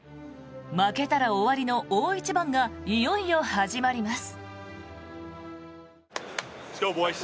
負けたら終わりの大一番がいよいよ始まります。